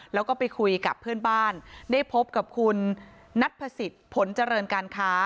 แล้วก็ไปคุยกับเพื่อนบ้านได้พบกับคุณนัทพสิทธิ์ผลเจริญการค้า